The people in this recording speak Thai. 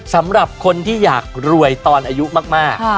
สำหรับคนที่อยากรวยตอนอายุมาก